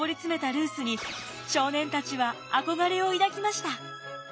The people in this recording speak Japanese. ルースに少年たちは憧れを抱きました。